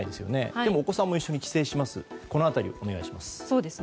でも、お子さんも一緒に帰省しますよね。